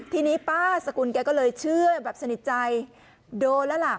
ทีนี้ป้าสกุลแกก็เลยเชื่อแบบสนิทใจโดนแล้วล่ะ